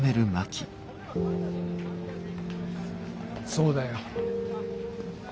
そうだよ。